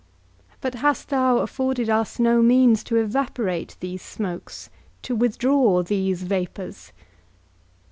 But hast thou afforded us no means to evaporate these smokes, to withdraw these vapours?